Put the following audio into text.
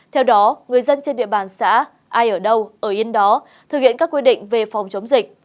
theo đó người dân trên địa bàn xã ai ở đâu ở yên đó thực hiện các quy định về phòng chống dịch